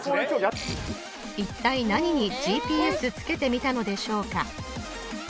いったい何にＧＰＳつけてみたのでしょうか